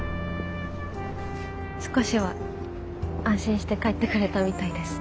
少しは安心して帰ってくれたみたいです。